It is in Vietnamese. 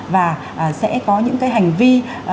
và sẽ có những cái hành vi